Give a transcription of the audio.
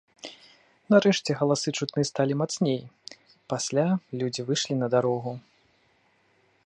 Нарэшце галасы чутны сталі мацней, пасля людзі выйшлі на дарогу.